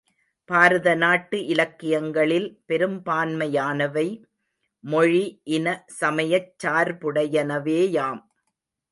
பாரத நாட்டு இலக்கியங்களில் பெரும்பான்மையானவை மொழி, இன, சமயச் சார்புடையனவேயாம்.